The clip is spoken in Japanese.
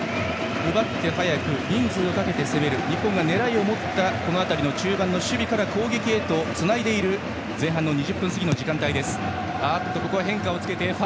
奪って速く人数をかけて攻める、日本が狙いを持った中盤の守備から攻撃へつないでいる前半のこの時間帯。